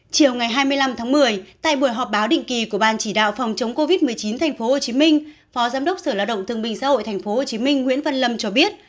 chiều ngày hai mươi năm tháng một mươi tại buổi họp báo định kỳ của ban chỉ đạo phòng chống covid một mươi chín tp hcm phó giám đốc sở lao động thương minh xã hội tp hcm nguyễn văn lâm cho biết